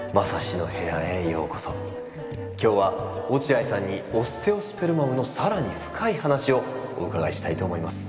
今日は落合さんにオステオスペルマムの更に深い話をお伺いしたいと思います。